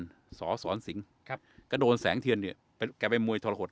กี่สอสรสิงครับก็โดนแสงเทียนเนี่ยไอ้แกไปมวยทรหรรหด